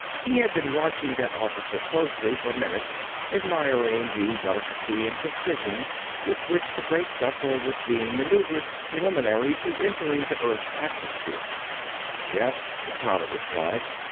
He had been watching that officer closely for minutes, admiring the delicacy and precision with which the great vessel was being maneuvered preliminary to entering the Earth's atmosphere. "Yes," the pilot replied.